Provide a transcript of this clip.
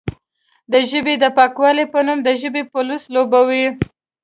د ژبې د پاکوالې په نوم د ژبې پولیس لوبوي،